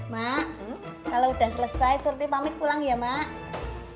mak kalau sudah selesai surti pamit pulang ya mak